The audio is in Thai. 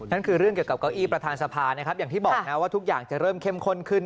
นั่นคือเรื่องเกี่ยวกับเก้าอี้ประธานสภานะครับอย่างที่บอกนะว่าทุกอย่างจะเริ่มเข้มข้นขึ้น